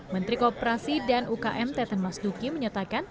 menteri kooperasi dan ukm teten mas duki menyatakan